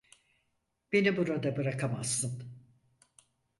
Beni burada bırakamazsın.